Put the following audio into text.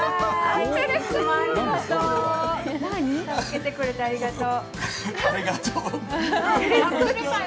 いつも助けてくれてありがとう。